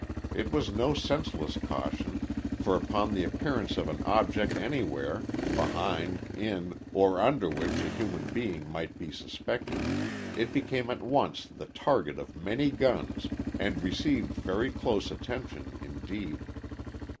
It was no senseless caution, for upon the appearance of an object anywhere, behind, in or under which a human being might be suspected, it became at once the target of many guns and received very close attention indeed.